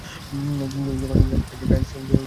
যখন তুমি থানোসকে time stone দিয়েছিলে?